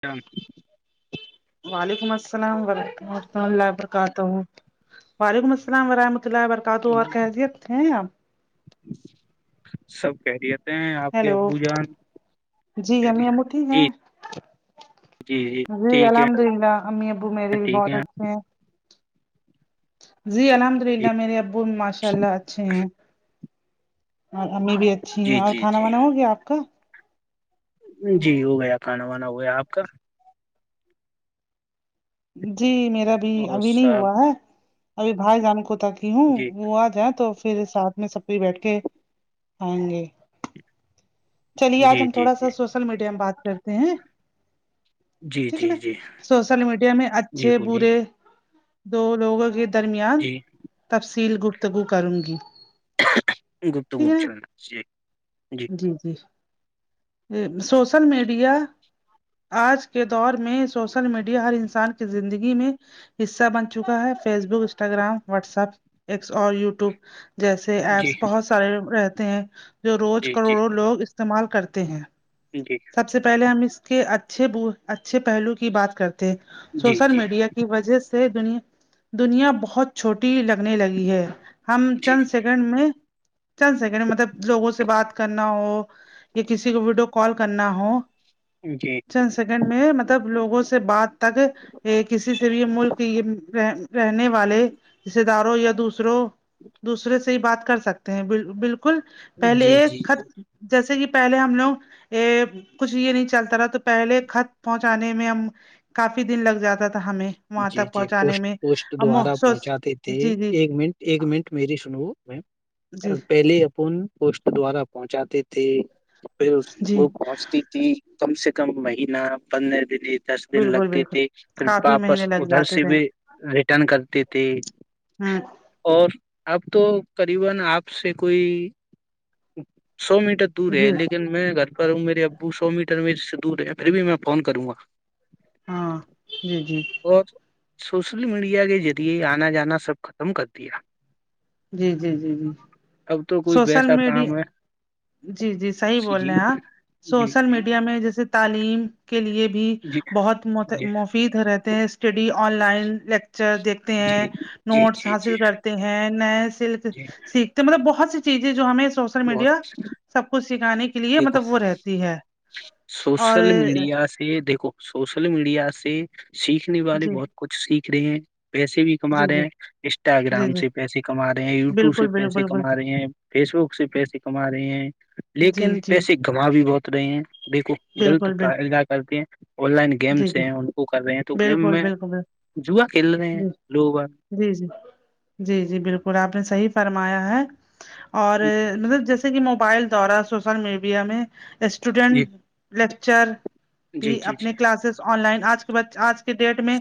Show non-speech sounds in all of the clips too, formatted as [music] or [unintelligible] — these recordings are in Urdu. چند وعلیکم السلام و رحمۃ اللہ وبرکاتہ وعلیکم السلام ورحمۃ اللہ و برکاتہ اور خیریت ہیں آپ سب خیریت ہیں آپ کے ہیلو ابو جان جی کہ امی ابو ٹھیک ہے جی ٹھیک الحمد ہے للہ امی ابو میرے بھی ٹھیک بہت ہے اچھے ہیں جی الحمد جی للہ میرے ابو ماشاء اللہ اچھے ہیں اور امی بھی اچھی ہیں جی اور جی کھانا جی وانا ہو گیا آپ کا جی ہو گیا کھانا وانا ہو گیا آپ کا جی میرا بھی اور ابھی نہیں سب ہوا ہے ابھی بھائی جان کو تاک تی ہوں جی وہ آ جائیں تو پھر ساتھ میں سبھی بیٹھ کے کھیں گے چلیے آج جی ہم جی تھوڑا سا جی سوشل میڈیا میں بات کرتے ہیں جی ٹھیک ہے جی نا جی سوشل میڈیا میں جی اچھے بولیے برے دو لوگوں کے درمیان جی تفصیل گفتگو کروں گی گفتگو ٹھیک نا اچھا ہے جی جی سوشل میڈیا آج کے دور میں سوشل میڈیا ہر انسان کی زندگی میں حصہ بن چکا ہے Facebook Instagram WhatsApp X اور یوٹیوب جیسے جی ایپس بہت سارے رہتے ہیں جو روز جی کروڑوں لوگ استعمال کرتے ہیں کیوں کہ سب سے پہلے ہم اس کے اچھے اچھے پہلو کی بات کرتے ہیں جی سوشل جی میڈیا کے وجہ سے د دنیا بہت چھوٹی لگنے لگی ہے ہم جی چند جی سیک سنڈ میں چند سیکنڈ مطلب لوگوں سے بات کرنا ہو یا کسی کو ویڈیو کال کرنا ہو جی چند سیکنڈ میں مطلب لوگوں سے بات تک یہ کسی سے بھی ملک یہ رہنے والے رشتے داروں یا دوسروں دوسرے سے ہی بات کر سکتے ہیں ب بالکل پہلے جی ایک خط جی جیسے کہ پہلے ہم لوگ ا کچھ یہ نہیں چلتا رہا تو پہلے خط پہنچانے میں ہم کافی دن لگ جاتا تھا ہمیں وہاں جی تک جی پوٹ پہنچانے میں پوسٹ اب دوارا سوچ پہنچاتے تھے جی جی ایک منٹ ایک منٹ میری سنو جی پہلے اپن پسٹ دوارا پہنچاتے تھے پھر جی وہ پہنچتی کم سے کم مہینہ پندر دن دس دن بالکل لگتے بالکل تھے کافی پھراپ مہینے بس لگ ادھر جاتے سے تھے بھی ریٹرن کرتی تھی ہ اور اب تو قریبا آپ سے کوئی سو میٹر دور ہے جی لیکن میں گھر پر ہوں میرے ابو سو میٹر میں سے دور ہے پھر بھی میں فون کروں گا ہاں جی جی اور سوشل میڈیا کے ذریعے آنا جانا سب ختم کر دیا جی جی جی جی اب تو کوئی سوشل ویسا کام میڈیا ہے جی جی صحیح بول رہے ہیں آپ جی سوشل جی میڈیا میں جیسے تعلیم کے لیے بھی جی بہت جی مفید رہتے ہیں اسٹڈی آن لائن لیکچر دیکھتے ہیں جی نوٹس جی جی حاصل کرتے ہیں ہے نئے سلک جی سک تو مطلب بہت سی چیزیں جو ہمیں سوشل بہت میڈیا سب کچھ سکھانے کے لیے دیکھو مطلب وہ رہتی ہے اور یہ دیکھو سوشل میڈیا سے سیکھنے والے جی بہت کچھ سیکھ رہے ہیں ویسے بھی کما جی رہے جی ہیں جی انسٹاگرام جی سے پیسے کما رہے ہیں یوٹیوب بالکل سے پیسے بالکل کما بالکل رہے ہیں فیس بک سے پیسے کما رہے ہیں جی لیکن جی پیسے گوا بھی بہت رہے ہیں دیکھو غلط بالکل بال کریگا کر کے آن لائن جی گیمس جی ہیں ان کو کر رہے ہیں تو گیم بالکل میں بالکل جوا کھیل رہے ہیں جی لوگ ا جی جی جی جی بالکل آپ نے صحیح فرمایا ہے اور مطلب جیسے جیسے کہ موبائل دوارا سوشل میڈیا میں جی اسٹوڈینٹ لیکچر جی بھی جی اپ اس آن لائن آج کے باد آج کے ڈیٹ میں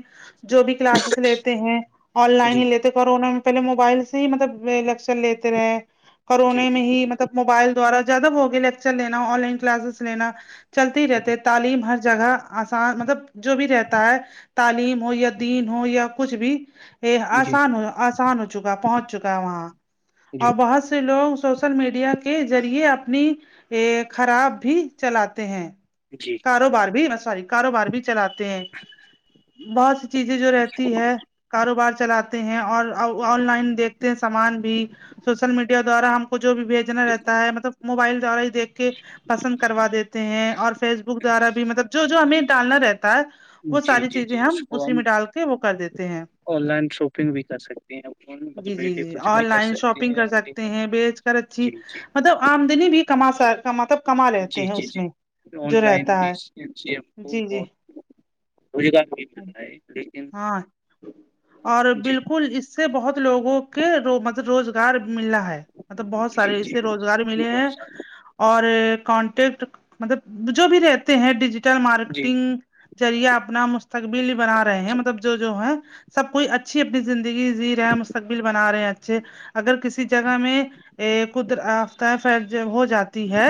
جو بھی کلاسز لیتے ہیں آن لائن جی ہی لیتے کرونا میں پہلے موبائل سے ہی مطلب لکچر لیتے رہے جی جی کرونے میں ہی مطلب بطلب موبائل دوارا زیادہ ہوگے لیکچر لینا آن لائن کلاسز لینا چلتی ہی رہتے تعلیم ہر جگہ آسان مطلب جو بھی رہتا ہے تعلیم ہو یا دین ہو یا کچھ بھی یہ جی جی آسان آسان ہو چکا ہے پہنچ چکا ہے وہاں جی اور بہت سے لوگ سوشل میڈیا کے ذریعے اپنی یہ خراب بھی چلاتے ہیں کاروبار بھی نا ساری کاروبار بھی چلاتے ہیں بہت سی چیزیں جو رہتی ہے کاروبار چلاتے ہیں اور آن لائن دیکھتے ہیں سامان بھی سوشل میڈیا دوارا ہم کو جو بھیجنا رہتا ہے مطلب موبائل دوارا ہی دیکھ کے پسند کروا دیتے ہیں اور فیس بک دوارا بھی مطلب جو جو ہمیں ڈالنا رہتا ہے جی وہ جی ساری جی چیزیں جی اس ہم کو اسی میں ڈال کے وہ کر دیتے ہیں آن لائن شاپنگ بھی کر سکتی ہیں جی مل جی بی جی کچھ بھی آن کر لائن سکتے شاپنگ ہیں کر سکتے لیکن ہیں بیچ کر اچھی جی مطلب آمدنی بھی کما سا کما تب کما لیتے ہیں اس میں جو رہتا ہے اچھی اچھی ہے کو جی جی بہت روزگار نہیں ملتا ہے لیکن ہاں اور جی بالکل اس سے بہت لوگوں کے مطلب روزگار مللا ہے مطلب بہت جی سارے جی اسے روزگار ملے بہت ہیں سارا اور کانٹیکٹ مطلب جو بھی رہتے ہیں ڈیجیٹل جی مارکیٹنگ ذریعہ اپنا مستقبل بنا رہے ہیں مطلب جو جو ہے سب کوئی اچھی اپنی زندگی جی رہے ہیں مستقبل بنا رہے ہیں اچھے اگر کسی جگہ میں ا قدر آفتہ سرج ہ جاتی ہے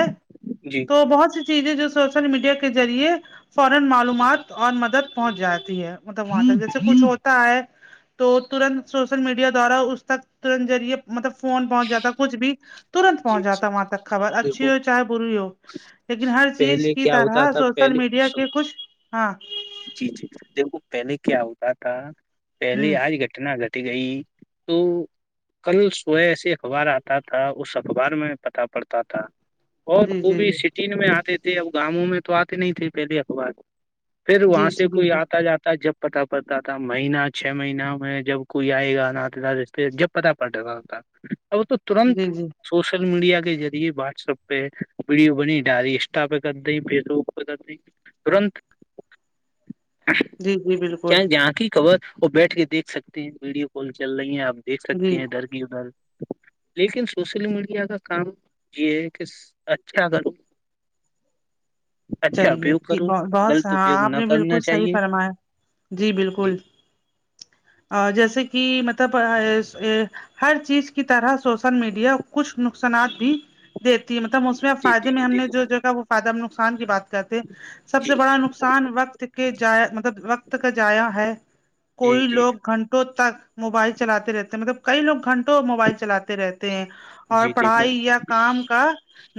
جی تو بہت سی چیزیں جو سوشل میڈیا کے ذریعے فورا معلومات اور مدد پہنچ جاتی ہے مطلب وہاں پہ جیسے جی جی کچھ ہوتا ہے تو ترنت سوشل میڈیا دوارا اس تک ترت ذریعے مطلب فون پہنچ جاتا کچھ بھی ترنت پہنچ جی جاتا ہے وہاں تک خبر اچھی دیکھو ہو چاہے بری ہو لیکن ہر چیز پہلے کی کیا ہوتا طرح تھا سوشل پہلے میڈیا سن کے کچھ ہاں جی جی دیکھو پہلے کیا ہوتا تھا پہلے ہوں ائی گ اتنا گتھی گئی تو کل سوئے ایسی اخبار آتا تھا اس اخبار میں پتہ پڑتا تھا اور جی وہ جی بھی جی سٹی میں آتے تھے اب گاؤوں میں تو آتے نہیں تھے پہلے اخبار پھر وہاں جی سے جی کوئی بالکل آتا جاتا جب پتا پڑتا تھا مہینہ چھ مہینہ میں جب کوئی آئے گا نات رشتے جب پتا پڑتا تھا تھا اب تو ترنت جی جی سوشل میڈیا کے ذریعے واٹس ایپ پہ ویڈیو بنی ڈ انسٹا پہ کر دیں فیس بک پہ کر دیں ترنت جی جی بالکل جہاں کی خبر وہ بیٹھ کے دیکھ سکتے ہیں ویڈیو کال چل رہی ہیں اب دیکھ سکتی جی ہیں ادھر کی ادھر لیکن سوشل میڈیا کا کام یہ ہے کہ کس اچھا کرو اپیوگ چلیے کروں ب بہت غلط ہاں اپیوگ آپ نہ نے کرنا بالکل صحیح چاہیے فرمایا جی بالکل ا جیسے کہ مطلب یہ۔۔۔ یہ ہر چیز کی طرح سوشل میڈیا کچھ نقصانات بھی دیتی ہے مطلب اس میں جی فائدے جی میں ہم نے دیکھو جو جا وہ فائدہ نقصان کی بات کرتے سب جی سے بڑا نقصان وقت کے جا مطلب وقت کا جایا ہے جی کوئی جی لوگ گھنٹوں تو تک موبائل چلاتے رہتے ہیں مطلب کئی لوگ گھنٹوں موبائل چلاتے رہتے ہیں اور جی دیکھو پڑھائی یا کام کا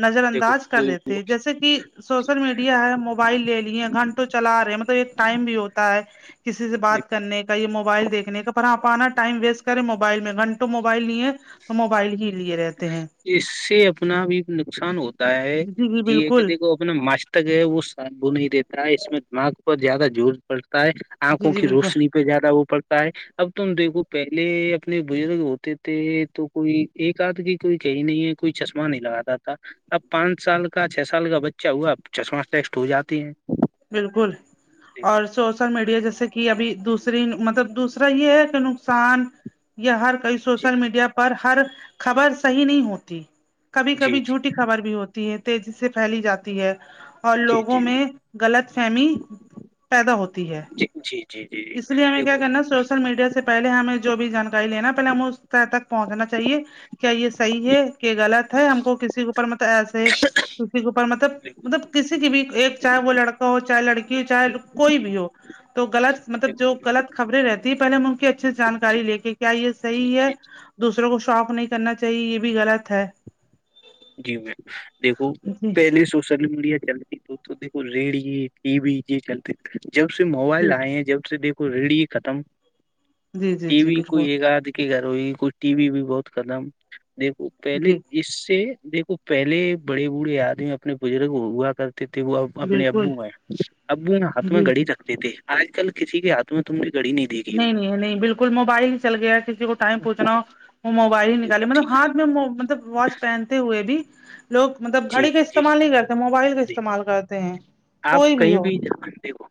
نظر دیکھو انداز کر کوئی دیتے جیسے کہ سو شل میڈیا ہے موبائل لے لی ہیں گھنٹوں چلا رہے ہیں مطلب ایک ٹائم بھی ہوتا ہے کسی سے بات دیکھو کرنے کا یہ موبائل دیکھنے کا پر آپ آنا ٹائم ویسٹ کریں موبائل میں گھنٹوں موبائل نہیں تو موبائل ہی لیے رہے اس سے اپنا بھی نقصان ہوتا ہے جی جی یہی کہ بالکل دیکھو مستک ہے وہ صابو نہیں دیتا ہے اس میں دماغ پر زیادہ زور پڑتا ہے جی آنکھوں جی کی بالکل روشنی پہ زیادہ وہ پڑتا ہے اب تم دیکھو پہلے اپنے بزرگ ہوتے تھے تو کوئی ایک ساتھ کی کوئی کہی نہیں ہے کوئی چشمہ نہیں لگاتا تھا اب پانچ سال کا چھ سال کا بچہ ہوا ا چشما ٹیسٹ ہو جاتی ہے بالکل اور سوشل میڈیا جیسے کہ ابھی دوسری مطلب دوسرا یہ ہے کہ نقصان ہر کوئی جی سوشل میڈیا پر ہر خبر صحیح نہیں ہوتی کبھی جی جی کبھی جھوٹی خبر بھی ہوتی ہے تیزی سے پھیلی جاتی ہے اور جی لوگوں جی میں غلط فہمی پیدا ہوتی ہے جی جی جی جی اس لیے ہمیں کیا دیکھو کرنا سوشل میڈیا سے پہلے ہمیں جو بھی جانکاری لینا پہلے ہمیں اس کی تہہ تک پہنچنا چاہیے کیا یہ صحیح جی ہے کہ غلط ہے ہم کو کسی کے اوپر مطلب ایسے کسی کے اوپر مطلب دیکھو مطلب کسی کی بھی ایک چاہے وہ لڑکا ہو چاہے لڑکی ہو چاہے کوئی بھی ہو تو غلط مطلب جو دیکھو، غلط خبریں رہتی پہلے ہم ان کی اچھے سے جی جانکاری لے کے کیا یہ جی جی صحیح ہے جی دوسرا کو شوق نہیں کرنا چاہیے یہ بھی غلط ہے جی میں دیکھو جی پہلی سو سوشل میڈیا چلتی تو دھو ریڈیے ٹی وی یہ چلتے جب سے موبائل آئے ہیں جب سے دیکھو ریڈی ختم جی جی جی ٹی جی وی بالکل کوئی لگادے کے گھر ہوئی کوئی ٹی وی بھی بہت خدم دیکھو پہلے جی اس سے یکھو پہلے بڑے بوڑھے آدمی اپنے بزرگ ہوا کر کہتی ہیں وہ اپنے بالکل ابو ہے ابو نے ہاتھ میں جی گڑی رکھ تھے آج کل کسی کے ہاتھ میں تم گڑی نہیں دیکھی نہیں ہوگی نہیں نہیں بالکل موبائل ہی چل گیا ہے کسی کو ٹائم پوچھنا ہو وہ موبائل ہی دیکھو نکالے ٹھیک مطلب ہے ہاتھ میں مطلب واچ پہنتے ہوئے بھی لوگ مطلب جی گھڑی کا جی استعمال نہیں کرتے موبائل کا جی استعمال کرتے ہیں آپ کوئی کہیں ہو بھی [unintelligible] دیکھو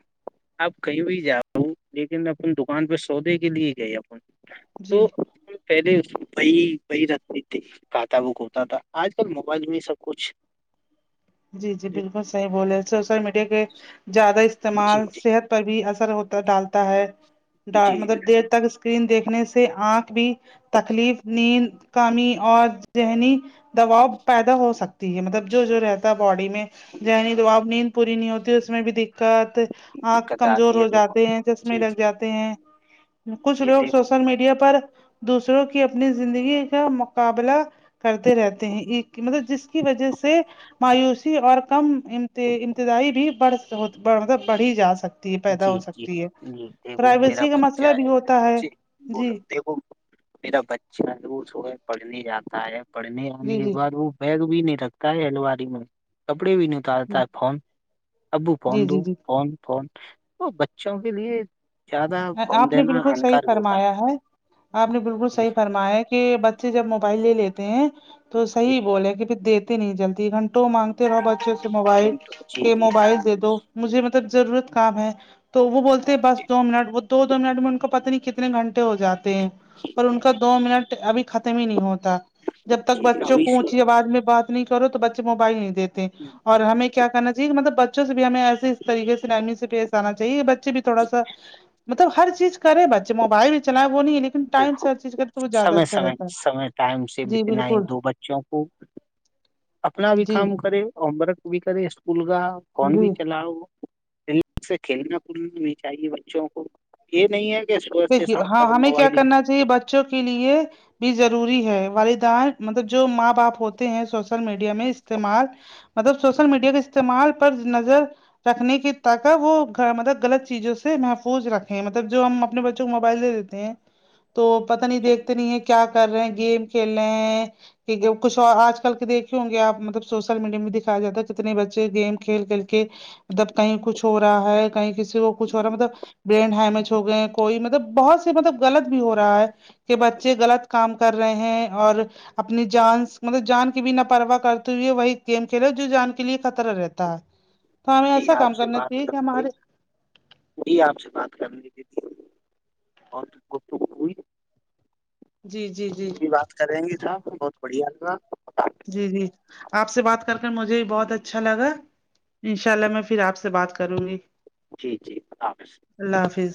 آپ کہیں بھی جا رہا ہوں لیکن میں اپن دکان پہ سودے کے لیے گئی اپن جی تو پہلے اس بی بی رکھتی تھی کھاتا بوک ہوتا تھا آج کل موبائل میں سب کچھ جی جی بالکل صحیح بولے سوشل میڈیا کے زیادہ جی استعمال جی صحت پر بھی اثر ہوتا ڈالتا ہے ڈ جی مطلب دیر تک اسکرین دیکھنے سے آنکھ بھی تکلیف نیند کمی اور ذہنی دباؤ پیدا ہو سکتی ہے مطلب جو جو رہتا ہے باڈی میں ذہنی دباؤ نیند پوری نہیں ہوتی اس میں بھی دقت آنکھ دقت کمزور آتی ہو ہے جاتے دیکھو ہیں چشمے جی لگ جی جاتے ہیں کچھ جی لوگ دیکھو سوشل میڈیا پر دوسروں کی اپنی زندگی کا مقابلہ کرتے رہتے ہیں ایک کہ مطلب جس کی وجہ سے مایوسی اور کم امتدائی بھی بڑھ مطلب بڑھی جا سکتی ہے پیدا جی ہو جی سکتی ہے جی دیکھو میرا پرائیویسی کا بچہ مسئلہ بھی ہے ہوتا جی جی بولو دیکھو میرا بچہ ہے وہ صبح پڑھنے جاتا ہے پڑھنے جنے جی کے جی بعد وہ بیگ بھی نہیں رکھتا ہے الماری میں کپڑے بھی نہیں اتر تا ہے فون ابو فون جی دو جی جی فون فون تو بچوں کے لیے زیادہ فون آپ نے دینا بالکل صحیح ہانکار ہوتا فرمایا ہے آپ نے بالکل ہے جی صحیح فرمایا ہے کہ بچے جب موبائل لے لیتے ہیں تو جی صحیح بولے کہ پھر دیتے نہیں جلدی گھنٹوں مانگتے رہو بچوں سے موبائل جی کہ جی موبائل دے دو مجھے مطلب ضرورت کام ہے تو وہ بولتے ہیں بس دو منٹ وہ دو دو منٹ میں ان کو پتا نہیں کتنے گھنٹے ہو جاتے ہیں پر ان کا دو منٹ ابھی ختم ہی نہیں ہوتا جب تک جی بچوں ابھی کو سے اونچی آواز میں بات نہیں کرو تو بچے موبائل نہیں دیتے اور ہمیں کیا کرنا چاہیے کہ مطلب بچوں سے بھی ہمیں ایسے طریقے سے نرمی سے پیش آنا چاہیے بچے بھی تھوڑا سا مطلب ہر چیز کرے بچے ا موبائل ہی چلائے ہے وہ نہیں لیکن ٹائم دیکھو سے ہر چیز کرتے تو وہ زیادہ سمے اچھا سمے رہتا ہے سمے ٹائم سے جی بتنا ہی بالکل دو بچوں کو اپنا بھی جی کام کرے ہوم ورک بھی کرے اسکول کا فون بھی جی چلاؤ اسے کھیلنا کودنا بھی چاہیے بچوں کو یہ نہیں ہے کہ صبح سے دیکھیے شام ہاں تک ہمیں کیا موبائل ہی کرنا چاہیے بچوں کے لیے بھی ضروری ہے والدان مطلب جو ماں باپ ہوتے ہیں سوشل میڈیا میں استعمال مطلب سوشل میڈیا کے استعمال پر نظر رکھنے کی طاقت وہ مطلب غلط چیزوں سے محفوظ رکھیں مطلب جو ہم اپنے بچ چوں کو موبائل دے دیتے ہیں تو پتا نہیں چاہیے۔ دیکھتے نہیں ہے کیا کر رہے ہیں گیم کھیل رہے ہیں کہ کچھ اور آج کل کے دیکھے ہوں گے آپ مطلب سوشل میڈیا میں دکھایا جاتا ہے کتنے بچے گیم کھیل کھیل کے مطلب کہیں کچھ ہو رہا ہے کہیں کسی کو کچھ ہو رہا ہے مطلب برین ہیمیج ہو گئے کوئی مطلب بہت س مطلب غلط بھی ہو رہا ہے کہ بچے غلط کام کر رہے ہیں اور اپنی جان مطلب جان کی بھی نا پررواہ کرتے ہو ہے وہی گیم کھیلے جو جان کے لیے خطرہ رہتا ہے تو ہمیں جی ایسا آپ کام سے کرنا بات چاہیے کر کہ کے ہمارے جی آپ سے بات کر لی تھی اور گفتگو ہوئی جی جی جی بھی بات کریں گی تھا بہت بڑھیا لگا جی جی آپ سے بات کر کر مجھے بہت اچھا لگا انشاء اللہ میں پھر آپ سے بات کروں گی جی جی اللہ حافظ اللہ حافظ